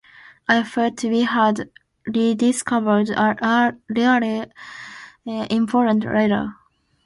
I felt we had rediscovered a really important writer.